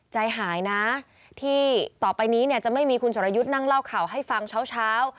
ใจหายนะที่ต่อไปนี้เนี่ยจะไม่มีคุณสรยุทธ์นั่งเล่าข่าวให้ฟังเช้า